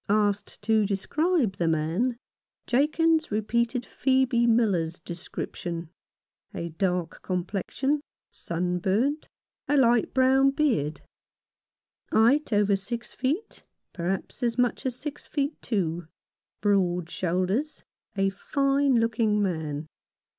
Asked to describe the man, Jakins repeated Phcebe Miller's description : a dark complexion, sunburnt, a light brown beard ; height over six feet, perhaps as much as six feet two ; broad shoulders ; a fine looking man.